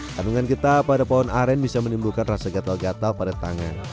kandungan getah pada pohon aren bisa menimbulkan rasa gatal gatal pada tangan